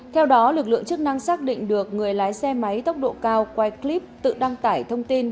theo đó lực lượng chức năng xác định được người lái xe máy tốc độ cao quay clip tự đăng tải thông tin